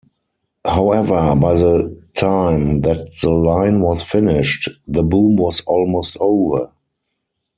However, by the time that the line was finished, the boom was almost over.